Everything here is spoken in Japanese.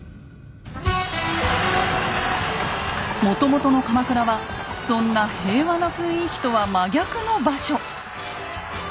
もともとの鎌倉はそんな平和な雰囲気とは真逆の場所。